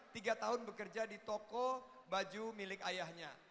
tiga tahun bekerja di toko baju milik ayahnya